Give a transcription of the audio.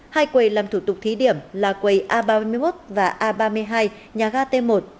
hai quầy làm thủ tục thí điểm là quầy a ba mươi một và a ba mươi hai nhà ga t một